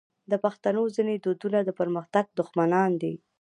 د پښتنو ځینې دودونه د پرمختګ دښمنان دي.